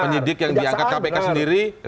penyidik yang diangkat kpk sendiri